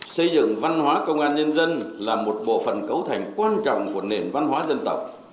xây dựng văn hóa công an nhân dân là một bộ phận cấu thành quan trọng của nền văn hóa dân tộc